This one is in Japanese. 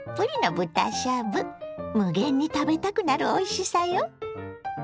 無限に食べたくなるおいしさよ！